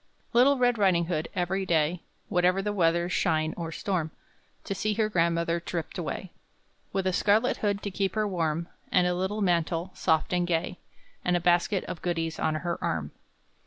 Little Red Riding hood, every day, Whatever the weather, shine or storm, To see her grandmother tripped away, With a scarlet hood to keep her warm, And a little mantle, soft and gay, And a basket of goodies on her arm.